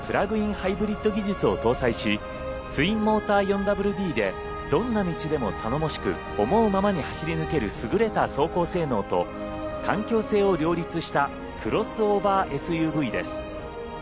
ハイブリッド技術を搭載しツインモーター４ＷＤでどんな道でも頼もしく思うままに走り抜ける優れた走行性能と環境性を両立したクロスオーバーＳＵＶです。